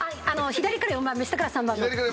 左から４番目下から３番目の。